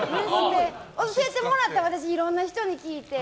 教えてもらったいろいろな人に聞いて。